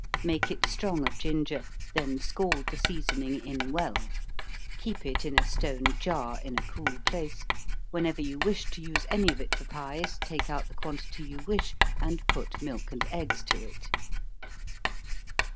Make it strong of ginger, then scald the seasoning in well. Keep it in a stone jar, in a cool place whenever you wish to use any of it for pies, take out the quantity you wish, and put milk and eggs to it.